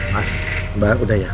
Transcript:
mas mbak udah ya